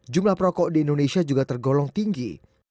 jumlah perokok di indonesia juga tergolong tinggi